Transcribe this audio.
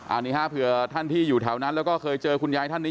อันนี้ฮะเผื่อท่านที่อยู่แถวนั้นแล้วก็เคยเจอคุณยายท่านนี้